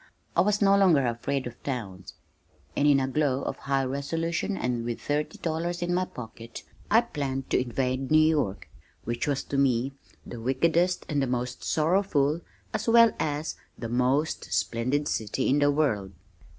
I was no longer afraid of towns, and in a glow of high resolution and with thirty dollars in my pocket, I planned to invade New York which was to me the wickedest and the most sorrowful as well as the most splendid city in the world.